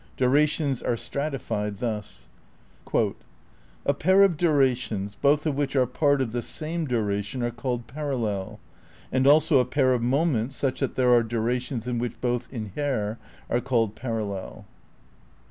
Dura tions are stratified thus : "A pair of durations both of which are part of the same duration are called parallel, and also a pair of moments such that there are durations in which both inhere are called parallel."